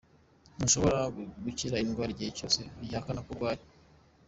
Ntushobora gukira indwara igihe cyose ugihakana ko urwaye.